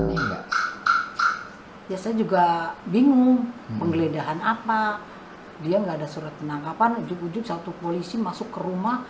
ada yang menangkapnya ada yang menangkapnya